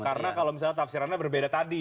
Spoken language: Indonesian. karena kalau misalnya tafsirannya berbeda tadi